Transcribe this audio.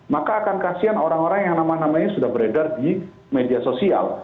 maka akan kasihan orang orang yang nama namanya sudah beredar di media sosial